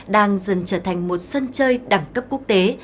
đang dần trở thành một sân chơi đẳng cấp quốc tế